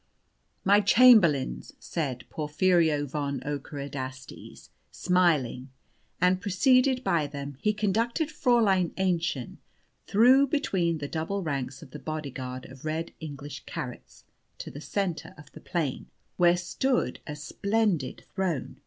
"My chamberlains," said Porphyrio von Ockerodastes, smiling; and, preceded by them, he conducted Fräulein Aennchen through between the double ranks of the bodyguard of Red English Carrots to the centre of the plain, where stood a splendid throne.